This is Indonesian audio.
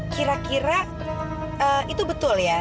kira kira itu betul ya